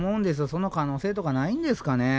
その可能性とかないんですかね。